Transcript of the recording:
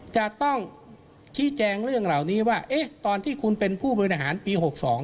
จะต้องชี้แจงเรื่องเหล่านี้ว่าตอนที่คุณเป็นผู้บริหารปี๖๒